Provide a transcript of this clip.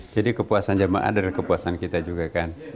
jadi kepuasan jamaah adalah kepuasan kita juga kan